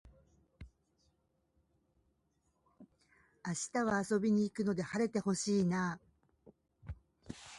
明日は遊びに行くので晴れて欲しいなあ